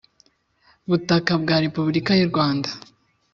Butaka bwa repubulika y u rwanda